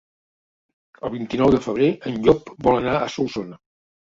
El vint-i-nou de febrer en Llop vol anar a Solsona.